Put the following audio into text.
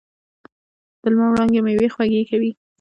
د لمر وړانګې میوې خوږې کوي.